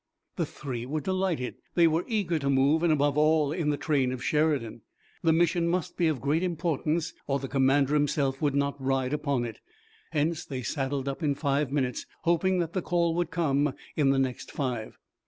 The three were delighted. They were eager to move, and above all in the train of Sheridan. The mission must be of great importance or the commander himself would not ride upon it. Hence they saddled up in five minutes, hoping that the call would come in the next five.